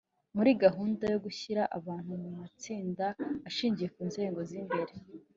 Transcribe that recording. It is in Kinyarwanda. muri gahunda yo gushyira abantu mu matsinda ashingiye ku nzego z’imibereho